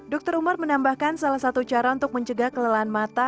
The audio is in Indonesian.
dr umar menambahkan salah satu cara untuk mencegah kelelahan mata